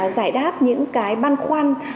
giải đáp những cái băn khoăn